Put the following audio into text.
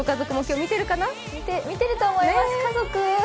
見てると思います。